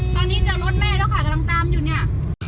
ตอนนี้แต่ลดแม่ร้อนไขกำลังตามอยู่แน่